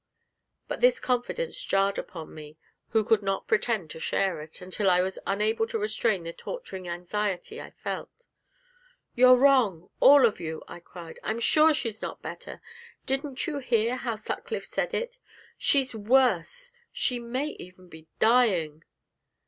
But this confidence jarred upon me, who could not pretend to share it, until I was unable to restrain the torturing anxiety I felt. 'You're wrong all of you!' I cried, 'I'm sure she's not better. Didn't you hear how Sutcliffe said it? She's worse she may even be dying!'